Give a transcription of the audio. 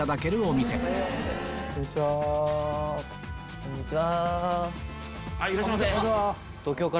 こんにちは。